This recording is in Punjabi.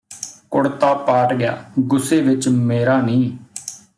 ਕੁੜਤਾ ਪਾਟ ਗਿਆ ਗੁੱਸੇ ਵਿਚ ਮੇਰਾ ਨੀਂ